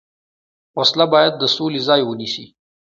وسله باید د سولې ځای ونیسي